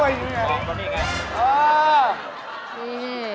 นี่